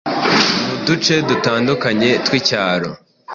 mu duce dutandukanye twicyaro